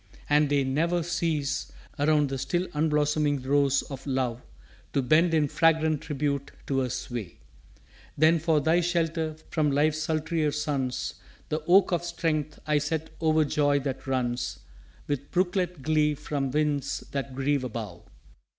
And they ne'er cease Around the still unblossoming rose of love To bend in fragrant tribute to her sway. Then for thy shelter from life's sultrier suns, The oak of strength I set o'er joy that runs With brooklet glee from winds that grieve above.